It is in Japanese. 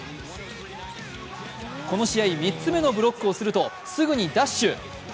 この試合３つ目のブロックをするとすぐにダッシュ。